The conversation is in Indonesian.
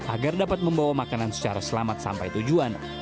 agar dapat membawa makanan secara selamat sampai tujuan